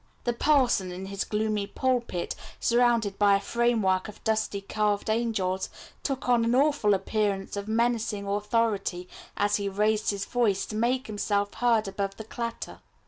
The parson in his gloomy pulpit, surrounded by a framework of dusty carved angels, took on an awful appearance of menacing Authority as he raised his voice to make himself heard above the clatter.